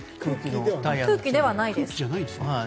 空気ではないです。